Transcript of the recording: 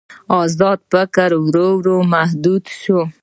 ازاد فکر ورو ورو محدود شو.